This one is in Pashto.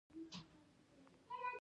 توخی غټ قوم ده.